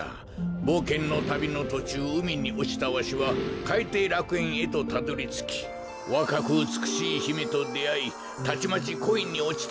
ぼうけんのたびのとちゅううみにおちたわしはかいていらくえんへとたどりつきわかくうつくしいひめとであいたちまちこいにおちた。